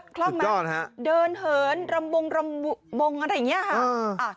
สุดยอดฮะคล่องมาเดินเหินลำวงอะไรอย่างนี้ค่ะอ่า